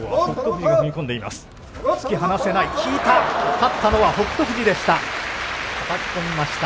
勝ったのは北勝富士でした。